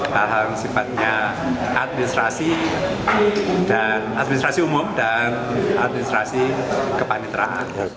dalam sifatnya administrasi umum dan administrasi kepaniteraan